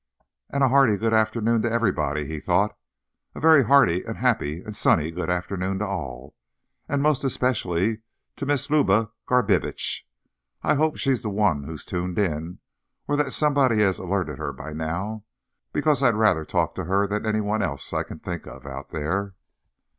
And a hearty good afternoon to everybody, he thought. _A very hearty and happy and sunny good afternoon to all—and most especially to Miss Luba Garbitsch. I hope she's the one who's tuned in—or that somebody has alerted her by now, because I'd rather talk to her than to anyone else I can think of out there.